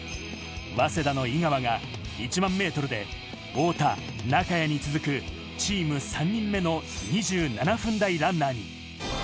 早稲田の井川が１００００ｍで太田、中谷に続くチーム３人目の２７分台ランナーに。